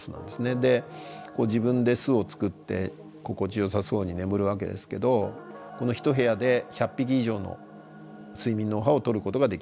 自分で巣を作って心地よさそうに眠るわけですけどこの一部屋で１００匹以上の睡眠脳波をとることができます。